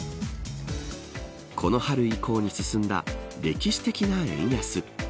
この春以降に進んだ歴史的な円安。